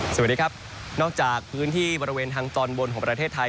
สวัสดีครับนอกจากพื้นที่บริเวณทางตอนบนของประเทศไทย